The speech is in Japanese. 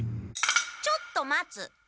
ちょっとまつ。